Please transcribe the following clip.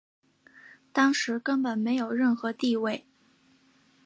当时根本没有任何地位。